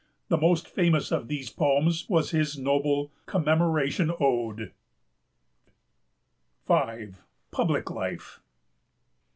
The most famous of these poems was his noble Commemoration Ode. V. PUBLIC LIFE.